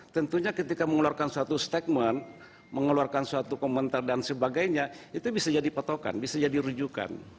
tentunya ketika mengeluarkan suatu statement mengeluarkan suatu komentar dan sebagainya itu bisa jadi patokan bisa jadi rujukan